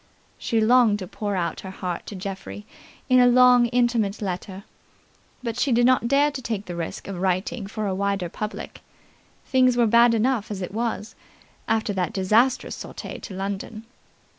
She longed to pour out her heart to Geoffrey in a long, intimate letter, but she did not dare to take the risk of writing for a wider public. Things were bad enough as it was, after that disastrous sortie to London.